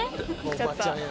ちょっと。